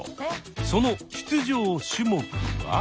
その出場種目は。